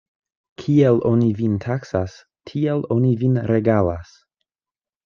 Kiel oni vin taksas, tiel oni vin regalas.